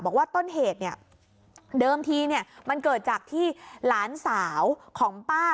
บอกว่าต้นเหตุเนี่ยเดิมทีเนี่ยมันเกิดจากที่หลานสาวของป้า